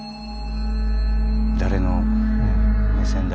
誰の目線だ？